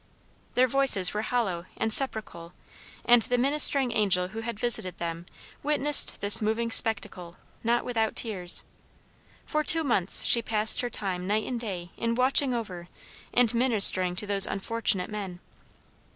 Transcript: Their voices were hollow and sepulchral, and the ministering angel who had visited them witnessed this moving spectacle not without tears. For two months she passed her time night and day in watching over and ministering to those unfortunate men.